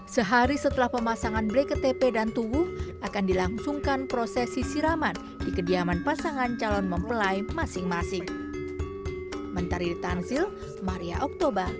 sehari setelah pemasangan blai ktp dan tubuh akan dilangsungkan prosesi siraman di kediaman pasangan calon mempelai masing masing